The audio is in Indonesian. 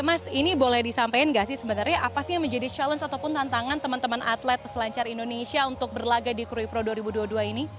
mas ini boleh disampaikan gak sih sebenarnya apa sih yang menjadi challenge ataupun tantangan teman teman atlet peselancar indonesia untuk berlaga di krui pro dua ribu dua puluh dua ini